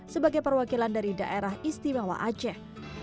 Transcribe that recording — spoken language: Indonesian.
sebagai perwakilan dari daerah istimewa aceh